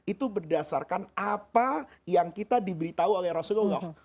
itu berdasarkan apa yang kita diberitahu oleh rasulullah